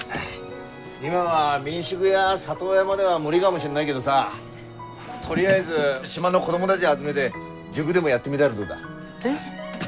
今は民宿や里親までは無理がもしんないげどさとりあえず島の子どもたぢ集めて塾でもやってみだらどうだ？え。